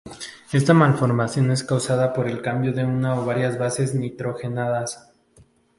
Esta malformación es causada por el cambio de una o varias bases nitrogenadas.